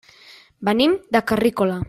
Venim de Carrícola.